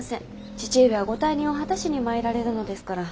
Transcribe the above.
父上はご大任を果たしに参られるのですから。